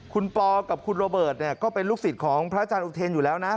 คุณปอกับคุณโรเบิร์ตเนี่ยก็เป็นลูกศิษย์ของพระอาจารย์อุเทนอยู่แล้วนะ